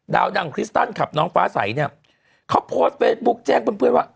ดาวดังของคริสตันครับน้องฟ้าใสเนี่ยเขาโพสต์เฟสบุ๊คแจ้งเพื่อนว่า